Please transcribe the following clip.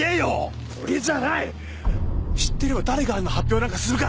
知っていれば誰があんな発表なんかするか。